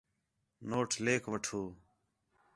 نوٹ لکھ وٹّھو